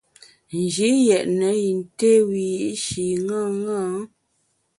Nji yètne yin té wiyi’shi ṅaṅâ.